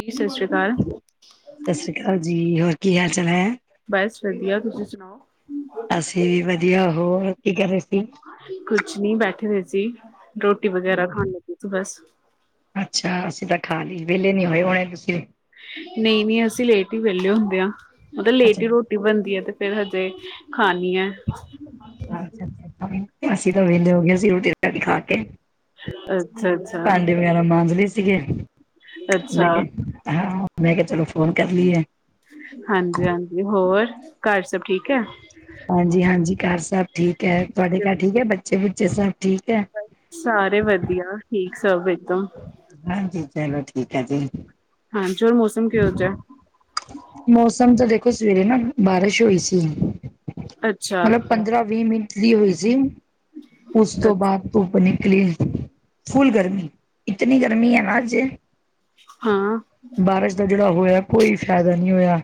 ਦੀ ਸੰਸ੍ਰ ਸਤਿ ਸ੍ਰੀ ਅਕਾਲ ਜੀ ਹੋਰ ਕੀ ਹਾਲ ਚਾਲ ਐ? ਬਸ ਵਧੀਆ ਤੁਸੀਂ ਸੁਣਾਓ ਅਸੀਂ ਵੱਧੀਆ ਹੋਰ ਕੀ ਕਰ ਰਏ ਸੀ? ਕੁਛ ਨੀ ਬੈਠੀ ਹੋਏ ਸੀ, ਰੋਟੀ ਵਗੈਰਾ ਖਾਣ ਲੱਗੀ ਸੀ ਬਸ। ਅੱਛਾ ਅਸੀਂ ਤਾਂ ਖਾ ਲਈ ਵੇਲੇ ਨਈ ਹੋਏ ਹੋਣੇ ਤੁਸੀਂ? ਨਈ -ਨਈ ਅਸੀਂ ਲੇਟ ਈ ਵੇਲੇ ਹੁੰਦੇ ਆ, ਮਤਲਬ ਲੇਟ ਅੱਛਾ, ਈ ਰੋਟੀ ਰੋਟੀ ਬਣਦੀ ਐ ਤੇ ਫੇਰ ਹਜੇ ਖਾਣੀ ਐ। ਅੱਛਾ-ਅੱਛਾ ਅਸੀ ਤਾਂ ਵੇਲੇ ਹੋ ਗਏ ਸੀਂ ਰੋਟੀ-ਰਾਟੀ ਖਾ ਕੇ। ਅੱਛਾ ਅੱਛਾ ਭਾਂਡੇ ਵਗੈਰਾ ਮਾਂਜਲੇ ਸੀਗੇ। ਮੈਂ ਅੱਛਾ ਕੇਆ, ਹਾਂ ਮੈਂ ਕੇਆ ਚਲੋ ਫੋਨ ਕਰ ਲਈ ਏ। ਹਾਂਜੀ -ਹਾਂਜੀ ਹੋਰ ਘਰ ਸਭ ਠੀਕ ਐ? ਹਾਂਜੀ- ਹਾਂਜੀ ਘਰ ਸਬ ਠੀਕ ਐ, ਤੁਆਡੇ ਘਰ ਠੀਕ ਐ ਬੱਚੇ- ਬੁੱਚੇ ਸਬ? ਸਾਰੇ ਵੱਧੀਆ ਠੀਕ ਸਭ ਇੱਕਦਮ। ਹਾਂਜੀ। ਚਲੋ ਠੀਕ ਐ ਜੀ। ਹਾਂ ਜੋਰ ਮੌਸਮ ਕੇਹੋ ਜੇਆ। ਮੌਸਮ ਤਾਂ ਦੇਖੋ ਸਵੇਰੇ ਨਾ ਬਾਰੇਸ਼ ਹੋਈ ਸੀ। ਅੱਛਾ ਪੇਲੇ ਪੰਦਰਾਂ ਵੀ-ਮਿੰਟ ਦੀ ਹੋਈ ਸੀ ਉਸ ਤੋਂ ਅੱਛਾ ਬਾਦ ਧੁੱਪ ਨਿਕਲੀ, ਫੁਲ ਗਰਮੀ ਇਤਨੀ ਗਰਮੀ ਐ ਨਾ ਅੱਜ ਹਾਂ। ਬਾਰੇਸ਼ ਦਾ ਜੇੜਾ ਹੋਏਆ ਕੋਈ ਫਾਏਦਾ ਨੀ ਹੋਏਆ।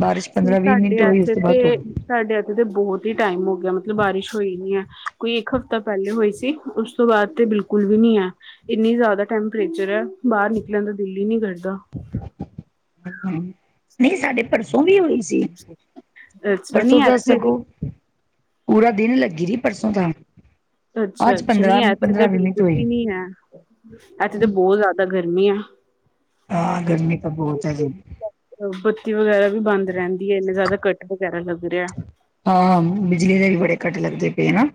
ਬਾਰਿਸ਼ ਪੰਦਰਾਂ ਸਾਡੇ ਵੀਹ-ਮਿੰਟ ਹੋਈ ਸੀ ਉਸ ਇੱਥੇ ਤੋਂ ਤੇ ਬਾਦ ਧੁੱਪ ਸਾਡੇ ਏਥੇ ਤੇ ਬੋਹਤ ਈ ਟਾਈਮ ਹੋ ਗੇਆ ਮਤਲਬ ਬਾਰਿਸ਼ ਹੋਈ ਨੀ ਐ ਕੋਈ ਇੱਕ ਹਫ਼ਤਾ ਪਹਿਲੇ ਹੋਈ ਸੀ। ਉਸ ਤੋਂ ਬਾਅਦ ਤੇ ਬਿਲਕੁਲ ਵੀ ਨੀ ਐ। ਇੰਨੀ ਜ਼ਿਆਦਾ ਟੈਂਪਰੇਚਰ ਐ, ਬਾਹਰ ਨਿਕਲਣ ਦਾ ਦਿਲ ਈ ਨੀ ਕਰਦਾ। [unintelligible] ਨਹੀਂ ਸਾਡੇ ਪਰਸੋਂ ਵੀ ਹੋਈ ਸੀ। ਅੱਛਾ ਪਰਸੋਂ ਨੀ ਤਾਂ ਇੱਥੇ ਸਗੋਂ ਪੂਰਾ ਦਿਨ ਲੱਗੀ ਰਹੀ, ਪਰਸੋਂ ਤਾਂ। ਅੱਜ ਅੱਛਾ-ਅੱਛਾ। ਪੰਦਰਾਂ ਨੀ ਐਥੇ ਤੇ ਪੰਦਰਾਂ ਵੀਹ ਮਿੰਟ ਬਿਲਕੁਲ ਹੋਈ ਵੀ ਨੀ ਐ। ਐਥੇ ਤੇ ਬਹੁਤ ਜ਼ਿਆਦਾ ਗਰਮੀ ਆ। ਹਾਂ, ਗਰਮੀ ਤਾਂ ਬਹੁਤ ਐ। ਬੱਤੀ ਵਗੈਰਾ ਵੀ ਬੰਦ ਰਹਿੰਦੀ ਐ। ਇੰਨੇ ਜ਼ਿਆਦਾ ਕੱਟ ਵਗੈਰਾ ਲੱਗ ਰਿਹਾ। ਹਾਂ, ਹਮ ਬਿਜਲੀ ਦੇ ਵੀ ਬੜੇ ਕੱਟ ਲੱਗਦੇ ਪਏ ਨਾ।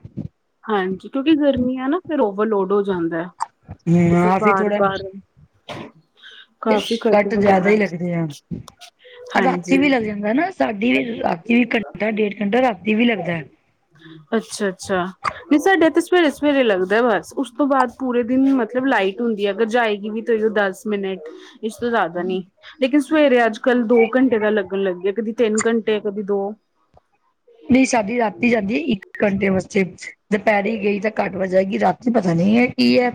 ਹਾਂਜੀ, ਕਿਉਂਕਿ ਗਰਮੀ ਐ ਨਾ, ਫੇਰ ਓਵਰਲੋਡ ਹੋ ਜਾਂਦਾ ਐ। ਹਮ ਤੇ ਫਿਰ ਆ ਬਾਰ-ਬਾਰ [inaudible] ਤੇ ਕੱਟ ਜ਼ਿਆਦਾ ਈ ਲੱਗਦੇ ਆ। ਰਾਤੀ ਵੀ ਹਾਂਜੀ ਲੱਗ ਜਾਂਦਾ ਨਾ। ਸਾਡੀ ਵੀ, ਰਾਤੀ ਵੀ ਘੰਟਾ-ਡੇਢ-ਘੰਟਾ ਰਾਤੀ ਵੀ ਲੱਗਦਾ। ਅੱਛਾ-ਅੱਛਾ। ਨਹੀਂ ਸਾਡੇ ਤਾਂ ਸਵੇਰੇ-ਸਵੇਰੇ ਲੱਗਦਾ ਬੱਸ। ਉਸ ਤੋਂ ਬਾਅਦ ਪੂਰੇ ਦਿਨ ਮਤਲਬ ਲਾਈਟ ਹੁੰਦੀ ਐ। ਅਗਰ ਜਾਏਗੀ ਵੀ ਤੇ ਦਸ ਮਿੰਨਟ, ਇਸ ਤੋਂ ਜ਼ਿਆਦਾ ਨੀ। ਲੇਕਿਨ ਸਵੇਰੇ ਅੱਜ-ਕੱਲ੍ਹ ਦੋ ਘੰਟੇ ਦਾ ਲੱਗਣ ਲੱਗਿਆ। ਕਦੀ ਤਿੰਨ ਘੰਟੇ, ਕਦੀ ਦੋ ਨਹੀਂ ਸਾਡੀ ਰਾਤੀ ਜਾਂਦੀ ਇੱਕ ਘੰਟੇ ਵਾਸਤੇ ਦੁਪਹਿਰੀ ਗਈ ਤਾਂ ਘੱਟ-ਵੱਧ ਜਾਏਗੀ। ਰਾਤੀਂ ਪਤਾ ਨੀ ਏ ਕੀ ਐ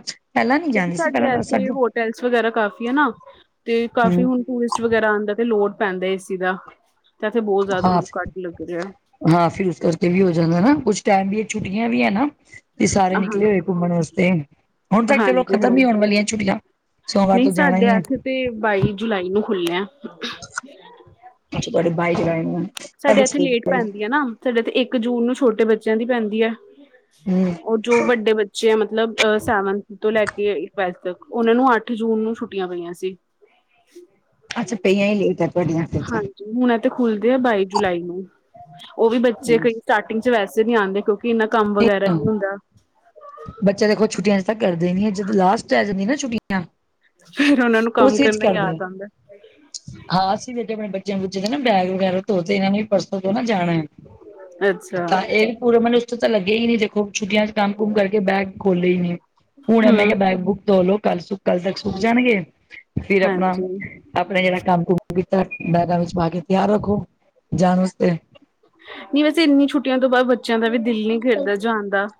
ਕਿਉਂਕਿ, ਸਾਡੇ ਐਥੇ ਹੋਟਲਸ ਵਗੈਰਾ ਕਾਫ਼ੀ ਐ ਨਾ ਤੇ ਕਾਫ਼ੀ ਹਮ ਹੁਣ ਟੂਰਿਸਟ ਵਗੈਰਾ ਆਂਦੇ ਤੇ ਲੋਡ ਪੈਂਦਾ ਏ ਸੀ ਦਾ ਤੇ ਇਥੇ ਬਹੁਤ ਜ਼ਿਆਦਾ ਹਾਂ ਕੱਟ ਲੱਗ ਰਿਹਾ। ਹਾਂ, ਫੇਰ ਉਸ ਕਰਕੇ ਵੀ ਹੋ ਜਾਂਦਾ ਨਾ। ਕੁਛ ਟੈਂਮ ਦੀਆਂ ਛੁੱਟੀਆਂ ਵੀ ਐ ਨਾ। ਤੇ ਸਾਰੇ ਹਾਂ ਨਿਕਲੇ ਹੋਏ ਘੁੰਮਣ ਵਾਸਤੇ। ਹੁਣ ਤਾਂ ਚਲੋ, ਖਤਮ ਈ ਹਾਂਜੀ-ਹਾਂਜੀ ਹੋਣ ਵਾਲੀਆਂ ਛੁੱਟੀਆਂ। ਸੋਮਵਾਰ ਨਹੀਂ ਤੋਂ ਜਾਣਾ ਸਾਡੇ ਹੀ ਹੈ ਐਥੇ ਤੇ ਬਾਈ ਜੁਲਾਈ ਨੂੰ ਖੁੱਲਿਆ। ਅੱਛਾ, ਤੁਵਾਡੇ ਬਾਈ ਜੁਲਾਈ ਨੂੰ ਸਾਡੇ ਐਥੇ ਲੇਟ ਪੈਂਦੀ ਐ ਨਾ। ਸਾਡੇ ਇੱਥੇ ਇੱਕ ਜੂਨ ਨੂੰ ਛੋਟੇ ਬੱਚਿਆਂ ਦੀ ਪੈਂਦੀ ਐ। ਹਮ ਓ ਜੋ ਵੱਡੇ ਬੱਚੇ ਆ, ਮਤਲਬ ਅ ਸੈਵਨਥ ਤੋਂ ਲੈ ਕੇ ਟਵੈਲਥ ਤੱਕ, ਉਹਨਾਂ ਨੂੰ ਅੱਠ ਜੂਨ ਨੂੰ ਛੁੱਟੀਆਂ ਪਈਆਂ ਸੀ। ਅੱਛਾ ਪਈਆਂ ਈ ਲੇਟ ਆ ਤੁਵਾਡੀਆਂ। ਹਾਂਜੀ। ਹੁਣ ਇਹ ਤੇ ਖੁੱਲਦੇ ਆ ਬਾਈ ਜੁਲਾਈ ਨੂੰ। ਉਹ ਵੀ ਬੱਚੇ ਕਈ ਸੱ ਸਟਾਟਿਗ 'ਚ ਵੈਸੇ ਨੀ ਆਂਦੇ। ਕਿਉਕਿ ਇੰਨਾ ਕੰਮ ਵਗੈਰਾ ਨੀ ਹਮ। ਹੁੰਦਾ। ਬੱਚੇ ਦੇਖੋ ਛੁੱਟੀਆਂ 'ਚ ਤਾਂ ਕਰਦੇ ਨੀ ਐ। ਜਦੋਂ ਲਾਸਟ ਰਹਿ ਜਾਂਦੀਆਂ ਨੇ ਨਾ ਛੁੱਟੀਆਂ ਫੇਰ ਉਹਨਾ ਨੂੰ ਕੰਮ ਉਸ ਵਿੱਚ ਕਰਨਾ ਕਰਦੇ ਆ ਯਾਦ ਆਂਦਾ। ਹਾਂ, ਅਸੀਂ ਵੀ ਏਦਾਂ ਆਪਣੇ ਬੱਚਿਆਂ-ਬੁਚਿਆਂ ਦੇ ਨਾ ਬੈਗ ਵਗੈਰਾ ਧੋ ਤੇ। ਇਹਨਾਂ ਨੇ ਵੀ ਪਰਸ ਸੋ ਤੋਂ ਨਾ ਜਾਣਾ ਐ। ਅੱਛਾ ਤਾਂ ਇਹ ਪੂਰੇ ਮਨਥ 'ਚ ਤਾਂ ਲੱਗਿਆ ਈ ਨੀ ਵੇਖੋ‌। ਛੁੱਟੀਆਂ 'ਚ ਕੰਮ ਕੁਮ ਕਰਕੇ ਬੈਗ ਖੋਲ੍ਹੇ ਈ ਨੀ। ਹੁਣ ਮੈਂ ਹੂੰ ਕਿਹਾ ਬੈਗ-ਬੂਗ ਧੋਲੋ ਕੱਲ ਸ ਕੱਲ ਤੱਕ ਸੁਕ ਜਾਣਗੇ। ਫੇਰ ਆਪਣਾ ਹਾਂਜੀ ਨਹੀਂ ਆਪਣਾ ਜਿਹੜਾ ਕੰਮ-ਕੁਮ ਕੀਤਾ। ਬੈਂਗਾ ਵਿੱਚ ਪਾ ਕੇ ਤਿਆਰ ਰੱਖੋ, ਜਾਣ ਵਸਤੇ। ਨਹੀਂ, ਵੈਸੇ ਇੰਨੀ ਛੁੱਟੀਆਂ ਤੋਂ ਬਾਅਦ ਬੱਚਿਆਂ ਦਾ ਵੀ ਦਿਲ ਨੀ ਕਰਦਾ ਜਾਣ ਦਾ।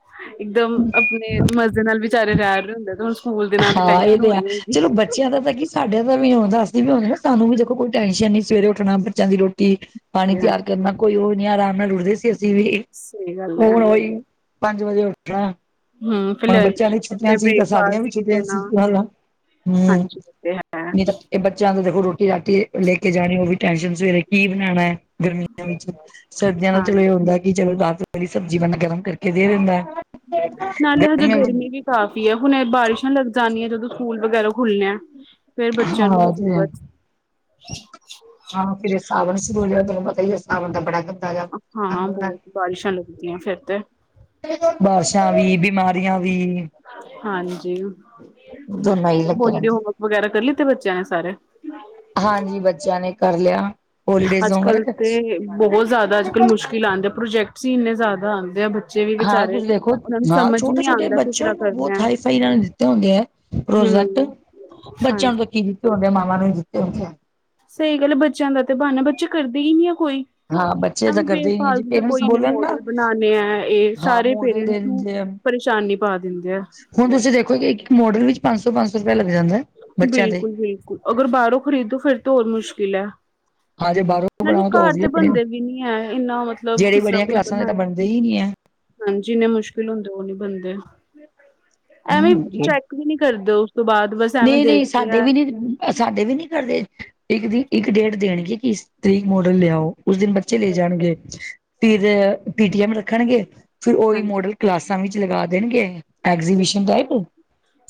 ਇਕਦਮ ਆਪਣੇ ਮਜ਼ੇ ਨਾਲ ਵਿਚਾਰੇ ਰਹਿ ਰਹੇ ਹੁੰਦੇ ਤੇ ਹੁਣ ਸਕੂਲ ਦੇ ਨਾਂ ਤੇ ਹਾਂ ਇਹ ਟੈਨਸ਼ਨ ਹੋ ਹੈ। ਰਹੀ ਹੋਏਗੀ। ਚਲੋ ਬੱਚਿਆਂ ਦਾ ਤਾਂ ਕਿ ਸਾਡਿਆਂ ਦਾ ਵੀ ਹੁੰਦੈ। ਅਸੀਂ ਵੀ ਹੋਂਦੇ ਨਾ, ਸਾਨੂੰ ਵੀ ਦੇਖੋ ਕੋਈ ਟੈਨਸ਼ਨ ਨੀ। ਸਵੇਰੇ ਉੱਠਣਾ ਬੱਚਿਆਂ ਦੀ ਰੋਟੀ ਪਾਣੀ ਤਿਆਰ ਕਰਨਾ, ਕੋਈ ਉਹ ਨੀ ਆਰਾਮ ਨਾਲ ਉਠਦੇ ਸੀ ਅਸੀਂ ਵੀ। ਸਹੀ ਗੱਲ ਹੈ ਹੁਣ ਓਈ ਪੰਜ ਵਜੇ ਉੱਠਣਾ। ਹੂੰ ਫਿਰ ਹੁਣ ਬੱਚਿਆਂ ਲੰਚ ਦੀ ਛੁੱਟੀਆਂ ਫਿਰ ਸੀ ਤਾਂ ਸਾਡੀਆਂ ਬ੍ਰੇਕਫਾਸਟ ਵੀ ਛੁੱਟੀਆਂ ਸੀ। ਦੇਣਾ [unintelligible] ਹੂੰ, ਹਾਂਜੀ ਉਹ ਤੇ ਹੈ ਨਹੀਂ ਤਾਂ ਇਹ ਬੱਚਿਆਂ ਦੀ ਦੇਖੋ ਰੋ ਰੋਟੀ-ਰਾਟੀ ਲੈ ਕੇ ਜਾਣੀ, ਉਹ ਵੀ ਟੈਸ਼ਨ। ਸਵੇਰੇ ਕੀ ਬਣਾਂਣਾ ਏ। ਗਰਮੀਆਂ ਵਿੱਚ, ਸਰਦੀਆਂ ਦਾ ਚਲੋ ਇਹ ਹਾਂਜੀ ਹੁੰਦਾ ਕਿ, ਚਲੋ ਰਾਤ ਵਾਲੀ ਸਬਜ਼ੀ ਬੰਦਾ ਗਰਮ ਕਰਕੇ ਦੇ ਦਿੰਦਾ। ਨਾਲੇ ਹਜੇ ਗਰਮੀਆਂ ਗਰਮੀ ਵਿੱਚ ਵੀ ਕਾਫ਼ੀ ਹੈ ਹੁਣੇ ਬਾਰਿਸ਼ਾਂ ਲੱਗ ਜਾਣੀਆਂ, ਜਦੋਂ ਸਕੂਲ ਵਗੈਰਾ ਖੁੱਲਣੇ ਫੇਰ ਬੱਚਿਆਂ ਨੂੰ ਹਾਂ ਜੀ ਮੁਸੀਬਤ ਹਾਂ ਫਿਰ ਸਾਵਨ ਸ਼ੁਰੂ ਹੋਈ ਏ, ਤੈਨੂੰ ਪਤਾ ਹੀ ਏ ਸਾਵਨ ਦਾ ਬੜਾ ਜਾ ਹਾਂ, ਬਹੁਤ ਬਾਰਿਸ਼ਾਂ ਲੱਗਦੀਆਂ ਫਿਰ ਤੇ ਬਾਰਸ਼ਾਂ ਵੀ, ਬਿਮਾਰੀਆਂ ਵੀ ਹਾਂਜੀ, ਦੋਨਾਂ ਹੀ ਲੱਗੇ ਹੋਲੀਡੇ ਰਹਿੰਦੇ ਹੋਮਵਰਕ ਵਗੈਰਾ, ਕਰ ਲਿੱਤੇ ਬੱਚਿਆਂ ਨੇ ਸਾਰੇ? ਹਾਂਜੀ, ਬੱਚਿਆਂ ਨੇ ਕਰ ਲਿਆ। ਹੋਲੀਡੇਜ਼ ਅੱਜ-ਕਲ ਹੋਮਵਰਕ ਤੇ ਬਹੁਤ ਜਿਆਦਾ ਅੱਜ-ਕਲ ਮੁਸ਼ਕਿਲ ਆਉਂਦੇ ਆ, ਪ੍ਰੋਜੈਕਟਸ ਹੀ ਇੰਨੇ ਜ਼ਿਆਦਾ, ਆਉਂਦੇ ਆ ਬੱਚੇ ਵੀ ਹਾਂ ਵਿਚਾਰੇ ਤੁਸੀਂ ਦੇਖੋ ਉਹਨਾਂ ਨੂੰ ਹਾਂ, ਸਮਝ ਹੀ ਨਹੀਂ ਛੋਟੇ-ਛੋਟੇ ਆਉਂਦਾ ਕਿਸ ਬੱਚਿਆਂ ਤਰ੍ਹਾਂ ਨੂੰ ਕਰਨਾ ਬਹੁਤ ਹਾਈ-ਫਾਈ ਨਾਲ ਦਿੱਤੇ ਹੁੰਦੇ ਆ ਪ੍ਰੋਜੈਕਟ ਹਮ ਬੱਚਿਆਂ ਹਾਂਜੀ ਨੂੰ ਤਾਂ ਕੀ ਦਿੱਤੇ ਹੁੰਦੇ ਮਾਵਾਂ ਨੂੰ ਦਿੱਤੇ ਹੂੰਦੇ ਐ ਸਹੀ ਗੱਲ ਆ, ਬੱਚਿਆਂ ਦਾ ਤੇ ਬਾਨਾ ਬੱਚੇ ਕਰਦੇ ਹੀ ਨਈ ਹੈ ਕੋਈ। ਹਾਂ ਬੱਚੇ ਤਾਂ ਐਵੇਂ ਬੇ ਕਰਦੇ ਹੀ ਨੀ ਜੇ ਫਾਲਤੂ ਪੇਰੈਂਟਸ ਕੋਈ ਨਈ ਬੋਲਣ ਨਾ ਮੋਡਲ ਬਣਾਣੇ ਆ, ਇਹ ਹਾਂ ਸਾਰੇ ਮੋਡਲ ਪੇਰੈਂਟਸ ਦੇਣ ਨੂੰ ਜੇ ਪਰੇਸ਼ਾਨੀ ਪਾ ਦਿੰਦੇ ਆ ਹੁਣ ਤੁਸੀਂ ਦੇਖੋ ਕਿ, ਇੱਕ ਮੋਡਲ ਵਿੱਚ, ਪੰਜ ਸੌ- ਪੰਜ ਸੌ ਰੁਪਇਆ ਲੱਗ ਜਾਂਦਾ ਬੱਚਿਆਂ ਦੇ ਬਿਲਕੁਲ-ਬਿਲਕੁਲ ਅਗਰ ਬਾਹਰੋਂ ਖਰੀਦੋ ਤੇ ਫੇਰ ਹੋਰ ਮੁਸ਼ਕਿਲ ਐ ਹਾਂ ਜੇ ਬਾਹਰੋਂ ਨਾਲੇ ਬਣਾਓ ਤਾਂ ਉਹ ਘਰ ਵੀ ਤੇ ਆਪਣੇ ਬਣਦੇ ਵੀ ਨਈ ਹੈ, ਇੰਨਾ ਮਤਲਬ ਜਿਹੜੀ ਕਿਸ ਤਰ੍ਹਾਂ ਬੜੀਆਂ ਕੋਈ ਕਲਾਸਾਂ ਦੇ ਬਣਾਏ ਤਾਂ ਬਣਦੇ ਹੀ ਨੀ ਹਾਂਜੀ, ਜਿੰਨੇ ਮੁਸ਼ਕਿਲ ਹੁੰਦੇ, ਉਹ ਨਈ ਬਣਦੇ। ਐਵੇਂ ਐ। ਚੈਕ ਵੀ ਨਈ ਕਰਦੇ, ਉਸ ਤੋਂ ਬਾਅਦ ਬਸ ਐਵੇਂ ਨਹੀਂ-ਨਹੀਂ ਦੇਖਦੇ ਸਾਡੇ ਆ ਵੀ ਨਈ, ਸਾਡੇ ਵੀ ਨਹੀਂ ਕਰਦੇ ਇੱਕ ਦਿ, ਇੱਕ- ਡੇਟ ਦੇਣਗੇ ਕਿ, ਇਸ ਤਰੀਕ ਮੋਡਲ ਲਿਆਓ, ਉਸ ਦਿਨ ਬੱਚੇ ਲੈ ਜਾਣਗੇ ਫਿਰ ਪੀ ਟੀ ਐਮ ਰੱਖਣਗੇ, ਫਿਰ ਉਹੀ ਹਾਂਜੀ ਮੋਡਲ ਕਲਾਸਾਂ ਵਿੱਚ ਲਗਾ ਦੇਣਗੇ, ਐਗਜੀਬਿ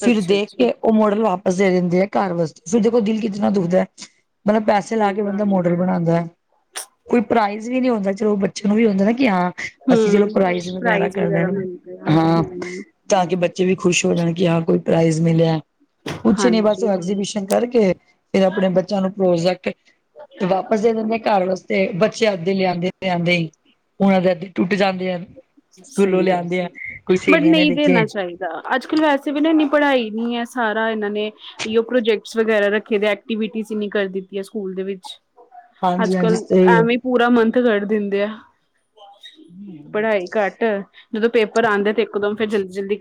ਫਿਰ ਅੱਛਾ-ਅੱਛਾ ਦੇਖ ਕੇ ਉਹ ਮੋਡਲ ਵਾਪਸ ਦੇ ਦਿੰਦੇ ਘਰ ਵਾਸਤੇ, ਫਿਰ ਦੇਖੋ ਦਿਲ ਕਿਤਨਾ ਦੁਖਦਾ ਪਹਿਲੇ ਪੈਸੇ ਲਾ ਸਹੀ ਕੇ ਬੰਦਾ, ਗੱਲ ਹੈ ਮੋਡਲ ਬਣਾਦੀਆਂ ਕੋਈ ਪ੍ਰਾਈਜ਼ ਵੀ ਨਹੀਂ ਹੁੰਦਾ, ਚਲੋ ਬੱਚੇ ਨੂੰ ਵੀ ਹੁੰਦਾ ਕਿ ਹਾਂ ਅਸੀਂ ਚਲੋ ਹੂੰ ਪ੍ਰਾਈਜ਼ ਵਗੈਰਾ, ਕਰਦੇ ਨਾ ਮਿਲਦੇ ਆ ਹਾਂ ਹੂੰ ਤਾਂ ਕਿ ਬੱਚੇ ਵੀ ਖੁਸ਼ ਹੋ ਜਾਣ ਕਿ, ਹਾਂ ਕੋਈ ਪ੍ਰਾਈਜ਼ ਮਿਲਿਆ ਕੁਛ ਨੀ ਬਸ, ਹਾਂਜੀ ਐਗਜੀਬਿਸ਼ਨ ਕਰਕੇ ਫਿਰ ਆਪਣੇ ਬੱਚਿਆਂ ਨੂੰ ਪ੍ਰੋਜੈਕਟ ਤੇ ਵਾਪਸ ਦੇ ਦਿੰਦੇ ਆ ਘਰ ਵਾਸਤੇ, ਬੱਚੇ ਅੱਦੇ ਲਿਆਂਦੇ- ਲਿਆਦੇ ਹੀ ਉਹਨਾਂ ਦੇ ਅਧੇ ਟੁੱਟ ਜਾਂਦੇ ਆ, ਸਕੂਲੋਂ ਸਹੀ ਗੱਲ ਲਿਆਂਦੇ ਆ ਕੋਈ ਸਹੇਲੀਆਂ ਨੇ ਨੀਚੇ ਅੱਜ-ਕੱਲ੍ਹ ਵੈਸੇ ਵੀ ਨਾ ਇੰਨੀ ਪੜ੍ਹਾਈ ਨਈ ਹੈ, ਸਾਰਾ ਇਹਨਾਂ ਨੇ ਐਇਔ ਪ੍ਰੋਜੈਕਟ ਵਗੈਰਾ ਰੱਖੇ ਦੇ, ਐਕਟਿਵਿਟੀਸ ਹੀ ਨਈ ਕਰਦੀ ਸਕੂਲ ਦੇ ਵਿੱਚ ਹਾਂਜੀ ਅੱਜ-ਕੱਲ ਹਾਂਜੀ ਸਹੀ ਹੈ ਐਵੇਂ ਪੂਰਾ ਮੰਥ, ਕੱਢ ਦਿੰਦੇ ਆ, ਪੜ੍ਹਾਈ ਘੱਟ ਜਦੋਂ ਪੇਪਰ ਆਦੇ ਤੇ ਇੱਕਦਮ ਫੇਰ ਜਲਦੀ-ਜਲਦੀ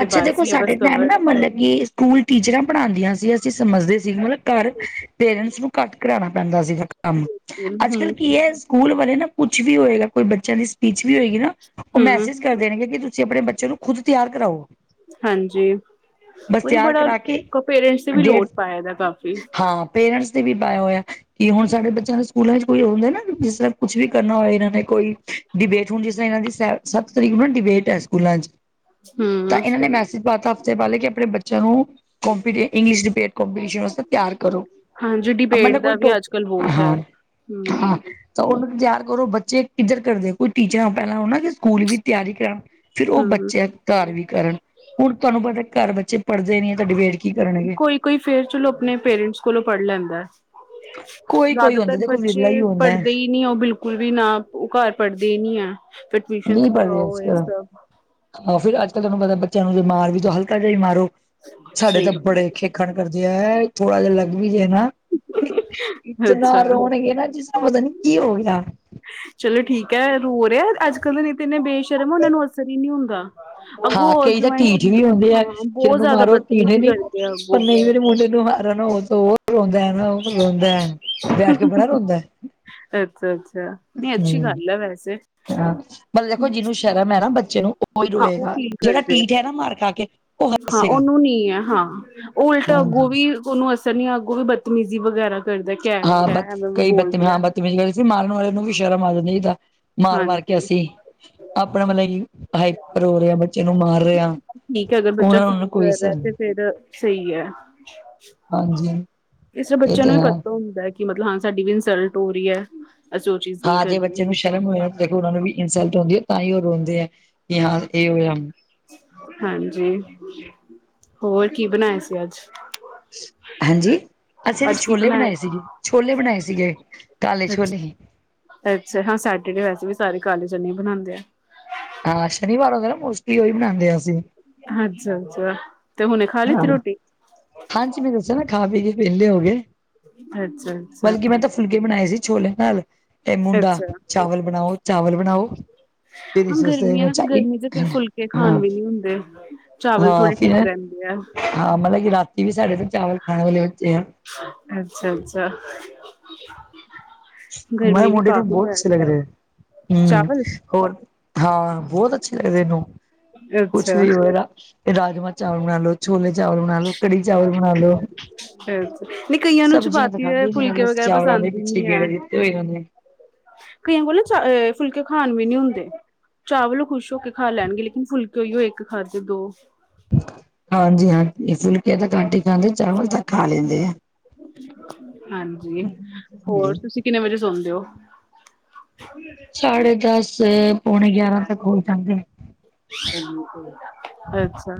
ਅੱਛਾ ਦੇਖੋ, ਸਾਡੇ ਟਾਈਮ ਨਾ ਮਤਲਬ ਕਿ ਸਕੂਲ ਟੀਚਰਾਂ ਪੜ੍ਹਾਉਂਦੀਆਂ ਸੀ, ਅਸੀਂ ਸਮਝਦੇ ਸੀ। ਮਤਲਬ ਘਰ ਪੇਰੈਂਟਸ ਨੂੰ ਘੱਟ ਕਰਾਣਾ ਪੈਂਦਾ ਸੀਗਾ ਕੰਮ ਬਿਲਕੁਲ ਅੱਜ-ਕੱਲ੍ਹ ਹੂੰ ਕੀ ਐ, ਸਕੂਲ ਵਾਲੇ ਨਾ ਕੁੱਛ ਵੀ ਹੋਏਗਾ, ਕੋਈ ਬੱਚਿਆਂ ਦੀ ਸਪੀਚ ਵੀ, ਹੋਏਗੀ ਨਾ ਉਹ ਹੂੰ ਮੈਸੇਜ ਕਰਦੇ ਕਿ, ਤੁਸੀਂ ਆਪਣੇ ਬੱਚੇ ਨੂੰ ਖੁਦ ਤਿਆਰ ਕਰਾਓ ਹਾਂਜੀ, ਬਸ ਉਹੀ ਤਿਆਰ ਬੜਾ ਕਰਾ ਕੇ ਪੇਰੈਂਟਸ ਦੀ ਵੀ ਡੇਢ ਲੋਡ, ਪਾਇਆ ਦਾ ਕਾਫ਼ੀ ਹਾਂ ਪੇਰੈਂਟਸ, ਦੇ ਵੀ ਪਾਇਆ ਹੋਇਆ ਕਿ ਹੁਣ, ਸਾਡੇ ਬੱਚਿਆਂ ਦੇ ਸਕੂਲਾਂ ਚ ਕੋਈ ਹੁੰਦਾ ਨਾ, ਜਿਸ ਤਰ੍ਹਾਂ ਕੁਛ ਵੀ ਕਰਨਾ ਹੋਏ, ਇਹਨਾਂ ਨੇ ਕੋਈ ਡਿਬੇਟ ਹੁਣ, ਜਿਸ ਤਰ ਇਹਨਾਂ ਦੀ ਸੱਤ ਤਰੀਕ ਨੂੰ, ਨਾ ਡਿਬੇਟ ਹੈ ਸਕੂਲਾਂ ਚ ਤਾਂ ਹੂੰ ਇਹਨਾਂ ਨੇ, ਮੈਸੇਜ ਪਾ ਤਾ ਤੇ ਪਾਲੇ ਕਿ ਅਪਨੇਆ ਬੱਚੇਆਂ ਨੂੰ ਕੋਪੀਟੀ ਇੰਗਲਿਸ਼ ਡਿਬੇਟ ਕੌਪੀਟੀਸ਼ਨ ਵਾਸਤੇ ਤਿਆਰ ਕਰੋ। ਹਾਂਜੀ ਅ ਮਲ ਡਿਬੇਟ ਕੋਈ ਦਾ ਵੀ ਟੋਪ ਅੱਜ ਕੱਲ ਬਹੁਤ ਹੈ ਹਾਂ-ਹਾਂ। ਹੂੰ ਤਾਂ ਓਨਾਂ ਨੂੰ ਤਿਆਰ ਕਰੋ ਬੱਚੇ ਇੱਜ਼ਤ ਕਰਦੇ, ਕੋਈ ਟੀਚਰਾਂ ਪੈਲਾਂ ਓ ਨਾ ਕਿ ਸਕੂਲ ਵੀ ਤਿਆਰੀ ਕਰਾਨ ਫੇਰ ਉਹ ਹੂੰ ਬੱਚਿਆਂ ਘਰ ਵੀ ਕਰਨ ਹੁਣ ਤੁਆਨੂੰ ਪਤਾ ਘਰ ਬੱਚੇ ਪੜ੍ਹਦੇ ਨੀ ਐ ਤੇ ਡਿਬੇਟ ਕੀ ਕਰਨਗੇ। ਵੀ ਕੋਈ ਫੇਰ ਚੱਲੋ ਅਪਨੇ ਪੇਰੈਂਟਸ ਕੋਲੋਂ ਪੜ੍ਹ ਲੈਂਦਾ ਕੋਈ ਕੋਈ ਜ਼ਿਆਦਾਤਰ ਹੁੰਦਾ ਦੇਖੋ ਵਿਰਲਾ ਹੀ ਬੱਚੇ ਹੁੰਦਾ ਪੜ੍ਹਦੇ ਈ ਨੀ ਓ ਬਿਲਕੁਲ ਵੀ ਨਾ ਓ ਘਰ ਪੜ੍ਹਦੇ ਨੀ ਆ ਫੇਰ ਟਿਊਸ਼ਨ ਲਵਾਓ ਐ ਸਭ। ਆਹ ਫਿਰ ਅੱਜ-ਕੱਲ ਤੁਆਨੂੰ ਪਤਾ ਬੱਚੇਆਂ ਨੂੰ ਜੇ ਮਾਰ ਵੀ ਦੋ, ਹਲਕਾ ਜਾ ਈ ਮਾਰੋ ਸਾਡੇ ਤਾਂ ਸਹੀ ਬੜੇ ਖੇਖਣ ਕਰਦੇ ਆ, ਥੋੜਾ ਜਾ ਲੱਗ ਵੀ ਜੇ ਨਾ ਇਤਨਾ ਅੱਛਾ ਰੋਣਗੇ ਨਾ ਜਿਸ ਤਰਾਂ ਪਤਾ ਨੀ ਕੀ ਹੋ ਗਯਾ। ਚਲੋ ਠੀਕ ਐ, ਰੋ ਰਯਾ ਅੱਜ ਕੱਲ ਨਈ ਤਾਂ ਇੰਨੇ ਬੇਸ਼ਰਮ ਓਨਾਂ ਨੂੰ ਅਸਰ ਈ ਨੀ ਹੁੰਦਾ। ਅੱਗੋਂ ਹਾਂ ਹੋਰ ਕਈ ਤਾਂ ਢੀਠ [unintelligible] ਵੀ ਹੁੰਦੇ ਆ ਹਾਂ ਕਿਸੇ ਬੋਤ ਨੂੰ ਜਾਦਾ ਮਾਰੋ ਢੀਠ ਬਤਮੀਜ਼ੀ ਨੀ ਕਰਕੇ ਆ। ਪਰ ਨਈ ਮੇਰੇ ਮੁੰਡੇ ਨੂੰ ਮਾਰੋ ਨਾ ਓ ਤਾਂ ਓ ਰੋਂਦਾ ਐ ਓ ਰੋਂਦਾ ਐ। ਅੱਛਾ-ਅੱਛਾ ਨਈ ਅੱਛੀ ਹਮ ਗੱਲ ਐ ਵੈਸੇ। ਹਾਂ ਮਤਲਬ ਦੇਖੋ ਜਿਨੂੰ ਸ਼ਰਮ ਹੈ ਨਾ ਬੱਚੇ ਨੂੰ ਓਈ ਹਾਂ ਉਹ ਰੋਏਗਾ ਫੀਲ ਜੇੜਾ ਕਰਦੇ ਆ। ਡਿਠ ਐ ਨਾ ਮਾਰ ਖਾ ਕੇ ਓ ਹਾਂ ਓਨੂੰ ਨੀ ਐ ਹਾਂ ਓ ਉਲਟਾ ਅੱਗੋਂ ਹਾਂਜੀ ਵੀ ਓਨੂੰ ਅਸਰ ਨੀ ਐ, ਅੱਗੋਂ ਵੀ ਬਦਤਮੀਜ਼ੀ ਵਗੈਰਾ ਕਰਦਾ ਕੇਆ ਐ, ਕੇਆ ਐ ਐਵੇਂ-ਐਵੇਂ ਬੋਲਦੇ ਆ। ਤੇ ਮੈਂ ਐ ਕੈ ਰੀ ਸੀ ਮਾਰਨ ਵਾਲੇ ਨੂੰ ਵੀ ਸ਼ਰਮ ਆ ਜਾਂਦੀ ਜਿਦਾਂ ਮਾਰ-ਮਾਰ ਕੇ ਹਾਂਜੀ ਅਸੀਂ ਆਪਣਾ ਮਤਲਬ ਕਿ ਹਾਈਪਰ ਹੋ ਰੇ ਆਂ, ਬੱਚੇ ਨੂੰ ਮਾਰ ਰੇ ਆਂ। ਠੀਕ ਐ ਅਗਰ ਬੱਚਾ ਫੀਲ ਕਰ ਰਯਾ ਤੇ ਫੇਰ ਸਈ ਐ। ਹਾਂਜੀ ਇਸ ਤਰ੍ਹਾਂ ਇਹ ਬੱਚੇਆਂ ਤਾਂ ਨੂੰ ਵੀ ਹੈ ਪਤਾ ਹੁੰਦਾ ਕਿ ਮਤਲਬ ਹਾਂ ਸਾਡੀ ਵੀ ਇਨਸਲਟ ਹੋ ਰੀ ਐ। ਹਾਂ ਜੇ ਬੱਚੇ ਨੂੰ ਸ਼ਰਮ ਹੋਏ ਨਾ ਦੇਖੋ ਓਨਾਂ ਨੂੰ ਵੀ ਇਨਸਲਟ ਹੁੰਂਦੀ ਹੈ ਤਾਂ ਈ ਓ ਰੋਂਦੇ ਐ। ਕੇ ਹਾਂ [unintelligible] ਹਾਂਜੀ, ਹੋਰ ਕੀ ਬਨਾਯਾ ਸੀ ਅੱਜ? ਹਾਂਜੀ, ਅਸੀਂ ਜੀ ਅੱਜ ਕੀ ਛੋਲੇ ਬਣਾਇਆ ਬਣਾਏ ਸੀ ਜੀ, ਛੋਲੇ ਬਣਾਏ ਸੀਗੇ। ਕਾਲੇ ਛੋਲੇ ਅੱਛਾ, ਅੱਛਾ ਹਾਂ ਸੈਟਰਡੇ ਵੈਸੇ ਵੀ ਸਾਰੇ ਕਾਲੇ ਚਨੇਂ ਈ ਬਨਾਂਦੇ ਐ। ਹਾਂ ਸ਼ਨੀਵਾਰ ਹੋ ਗਯਾ ਨਾ ਮੋਸਟਲੀ ਓਈ ਬਨਾਂਦੇ ਆਂ ਅਸੀਂ। ਅੱਛਾ, ਅੱਛਾ ਤੇ ਹੁਨੇ ਖਾ ਲਿੱਤੀ ਹਾਂ ਰੋਟੀ? ਹਾਂਜੀ ਮੈਂ ਦੱਸਿਆ ਨਾ ਖਾ ਪੀ ਕੇ ਵੇਲੇ ਹੋ ਗੇ। ਅੱਛਾ-ਅੱਛਾ। ਫੁਲਕੇ ਬਣਾਏ ਸੀ ਛੋਲੇ ਨਾਲ ਤੇ ਮੁੰਡਾ ਅੱਛਾ ਚਾਵਲ ਬਣਾਓ, ਚਾਵਲ ਬਣਾਓ। ਫਿਰ ਹਾਂ ਇਸ ਵਾਸਤੇ ਗਰਮੀ ਆਂ ਨਾ ਤੇ ਚਾਹੀਏ ਗਰਮੀ 'ਚ ਫਿਰ ਫੁਲਕੇ ਹਾਂ ਖਾਨ ਵੀ ਨੀ ਹੁੰਦੇ, ਚਾਵਲ ਹਾਂ ਥੋੜੇ ਫਿਰ ਠੀਕ ਰੈਂਦੇ [unintelligible] ਹਾਂ, ਮਤਲਬ ਕਿ ਰਾਤੀ ਵੀ ਸਾਡੇ ਤੇ ਚਾਵਲ ਖਾਣ ਵਾਲੇ ਬੱਚੇ ਆ ਅੱਛਾ-ਅੱਛਾ। ਮਾਏ ਗਰਮੀ ਵੀ ਮੁਡੇ ਨੂੰ ਕਾਫ਼ੀ ਬੋਤ ਪੈ ਅੱਛੇ ਰਹੀ ਲੱਗ ਰੇ ਹੈ। ਹੂੰ। ਚਾਵਲ ਹੋਰ, ਹਾਂ ਬੋਤ ਅੱਛੇ ਲੱਗਦੇ ਇਨੂੰ ਕੁਛ ਅੱਛਾ ਵੀ ਹੋਏ ਰਾ ਰਾਜਮਾਂ ਚਾਵਲ ਬਣਾ ਲੋ, ਛੋਲੇ ਚਾਵਲ ਬਣਾ ਲੋ, ਕੜੀ ਚਾਵਲ ਬਣਾ ਲੋ। ਅੱਛਾ ਨਹੀਂ ਕਈਆਂ ਨੂੰ ਸਬਜ਼ੀਆਂ ਤਾਂ ਚਪਾਤੀ ਖਾਂਦੇ ਨੀ ਐ ਫੁਲਕੇ ਬਸ ਵਗੈਰਾ ਚਾਵਲਾਂ ਦੇ ਪਸੰਦ ਹੀ ਪਿੱਛੇ ਨਹੀਂ ਹੈ। ਗੇੜੇ ਦਿੱਤੇ ਹੋਏ ਏਨਾਂ ਨੇ। ਕਈਆਂ ਕੋਲ ਨਾ ਚਾ ਫੁਲਕੇ ਖਾਨ ਵੀ ਨੀ ਹੁੰਦੇ। ਚਾਵਲ ਓ ਖੁਸ਼ ਹੋ ਕੇ ਖਾ ਲੈਨਗੇ ਲੇਕਿਨ ਫੁਲਕੇ ਓਈਓ ਇੱਕ ਖਾਦੇ ਦੋ। ਹਾਂਜੀ-ਹਾਂਜੀ, ਫੁਲਕੇ ਤਾਂ ਘੱਟ ਈ ਖਾਂਦੇ ਚਾਵਲ ਤਾਂ ਖਾ ਲੈਂਦੇ ਐ। ਹਾਂਜੀ, ਆ ਹੋਰ ਤੁਸੀਂ ਕਿੰਨੇ ਵੱਜੇ ਸੋਂਦੇ ਓ? ਸਾਢੇ ਦਸ, ਪੌਣੇ ਗਿਆਰਾਂ ਤੱਕ ਹੋ ਈ ਜਾਂਦੇ। ਅੱਛਾ।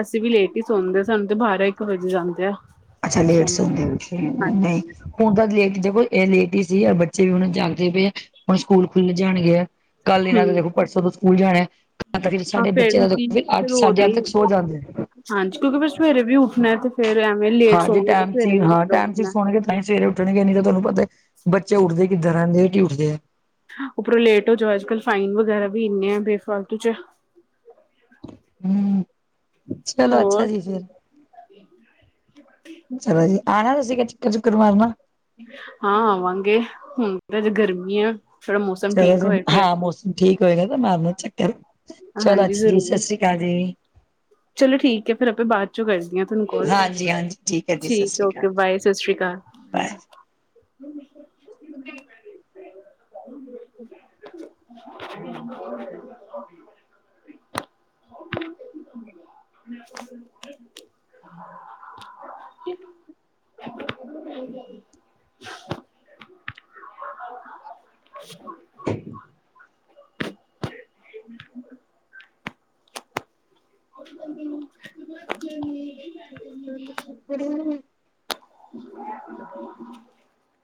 ਅਸੀਂ ਵੀ ਲੇਟ ਹੀ ਸੌਣਦੇ, ਸਾਨੂੰ ਤੇ ਬਾਰਾਂ ਇੱਕ ਵਜ ਜਾਂਦੇ ਆ ਅੱਛਾ ਲੇਟ ਸੌਣ ਸੌਂਦੇ ਹੁੰਦੇ, ਤੁਸੀਨਹੀਂ ਹਾਂਜੀ। ਹੁਣ ਤਾਂ ਲੇਟ ਦੇਖੋ ਇਹ ਲੇਟ ਹੀ ਸੀ ਬੱਚੇ ਵੀ ਹੁਣ ਜਾਗਦੇ ਪਏ ਹੁਣ ਸਕੂਲ ਖੁੱਲ ਜਾਣਗੇ, ਕੱਲ ਇਹਨਾਂ ਨੇ ਹੂੰ, ਦੇਖੋ, ਪਰਸੋਂ ਤੋਂ ਸਕੂਲ ਜਾਣਾ ਕਿਆ ਕਰੀਏ, ਹਾਂ ਸਾਡੇ ਫੇਰ ਬੱਚਿਆ ਦਾ ਕੀ ਦੇਖੋ ਅੱਠ ਫਿਰ ਸਾਢੇ ਉਹਦੇ ਅੱਠ ਹੀ ਤੱਕ ਸੋ ਜਾਂਦੇ ਨੇ ਹਾਂਜੀ ਕਿਉਂਕਿ ਫੇਰ ਸਵੇਰੇ ਵੀ ਉੱਠਣਾ, ਤੇ ਫੇਰ ਐਵੇਂ ਲੇਟ ਸੋਵਾਂਗੇ ਤੇ ਸਵੇਰੇ ਵੀ ਕਿਧਰਾ ਉੱਠਣਾ ਤਾਂਹੀ ਸਵੇਰੇ ਉੱਠਣਗੇ ਨਹੀਂ ਤਾਂ ਤੁਹਾਨੂੰ ਪਤਾ, ਬੱਚੇ ਉੱਠਦੇ ਕਿੱਦਾਂ ਲੇਟ ਹੀ ਉੱਠਦੇ ਆ ਉੱਪਰੋਂ ਲੇਟ ਹੋ ਜਾਓ, ਅੱਜ- ਕੱਲ ਫਾਈਨ ਵਗੈਰਾ ਵੀ ਇੰਨੇ ਆ, ਬੇਫਾਲਤੂ 'ਚ ਹਮ, ਚਲੋ ਅੱਛਾ ਹੋਰ, ਜੀ ਫੇਰ। ਚਲੋ ਜੀ, ਆਣਾ ਤੁਸੀ ਚਕਰ- ਚੁਕਰ ਮਾਰਨਾ ਹਾਂ ਆਵਾਂਗੇ, ਹੁਣ ਜੇ ਗਰਮੀ ਆ, ਥੋੜਾ ਮੌਸਮ ਠੀਕ ਚਲੋ ਹੋਏ ਫੇਰ ਹਾਂ ਮੌਸਮ ਠੀਕ ਹੋਏਗਾ ਤੇ ਮਾਰਨਾ ਚੱਕਰ, ਚਲੋ ਹਾਂਜੀ ਅੱਛਾ ਜੀ, ਜ਼ਰੂਰ। ਸਸ੍ਰੀ ਅਕਾਲ ਜੀ ਚਲੋ ਠੀਕ ਐ, ਫੇਰ ਆਪਾਂ ਬਾਅਦ ਚੋਂ ਕਰਦੀ ਆ ਤੁਹਾਨੂੰ ਕੋਲ, ਹਾਂਜੀ ਹਾਂਜੀ ਹੈ ਜੀ ਸਤਿ ਠੀਕ ਸ਼੍ਰੀ ਅਕਾਲ ਓਕੇ ਬਾਏ ਸਸ਼੍ਰੀ ਅਕਾਲ। ਬਾਏ [inaudible] [inaudible] ਕਿ [unintelligible] ਹੋ [unintelligible] [inaudible] [unintelligible] [unintelligible] [inaudible]